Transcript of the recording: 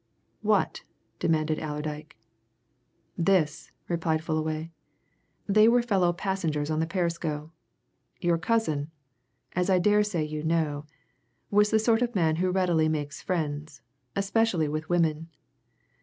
"What?" demanded Allerdyke. "This," replied Fullaway. "They were fellow passengers on the Perisco. Your cousin as I daresay you know was the sort of man who readily makes friends, especially with women.